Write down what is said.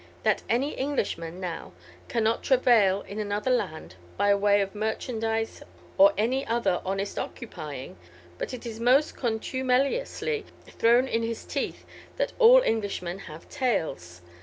That an Englyshman now cannot travayle in another land by way of marchandyse or any other honest occupyinge, but it is most contumeliously thrown in his tethe that all Englyshmen have tails.